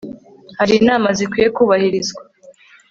hari inama zikwiye kubahirizwa